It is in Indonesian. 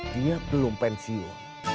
dia belum pensiun